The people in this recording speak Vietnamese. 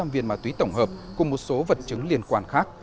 sáu tám trăm linh viên ma túy tổng hợp cùng một số vật chứng liên quan khác